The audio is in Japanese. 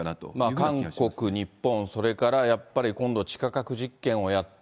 韓国、日本、それからやっぱり今度、地下核実験をやって、